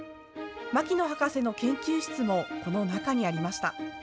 牧野博士の研究室もこの中にありました。